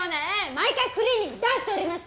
毎回クリーニングに出しております！